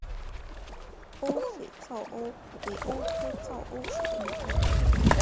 鸥嘴噪鸥为鸥科噪鸥属的鸟类。